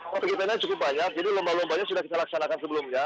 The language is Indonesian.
kegiatannya cukup banyak jadi lomba lombanya sudah kita laksanakan sebelumnya